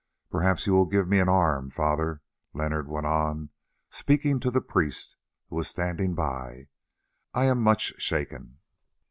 "Perhaps you will give me an arm, Father," Leonard went on, speaking to the priest, who was standing by. "I am much shaken."